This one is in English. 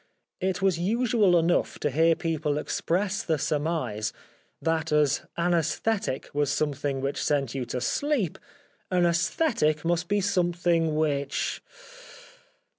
It was usual enough to hear people express the surmise that as anees thetic was something which sent you to sleep, an aesthetic must be something which.